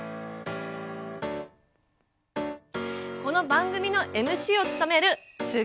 この番組のＭＣを務めるサリュ！